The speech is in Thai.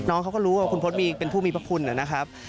น้องเขาก็รู้ว่าคุณพจน์เป็นผู้มีพระคุณนะครับ